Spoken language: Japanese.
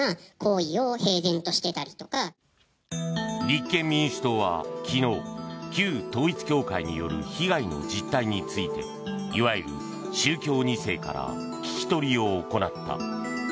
立憲民主党は昨日旧統一教会による被害の実態についていわゆる宗教２世から聞き取りを行った。